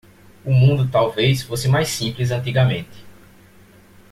O mundo talvez fosse mais simples antigamente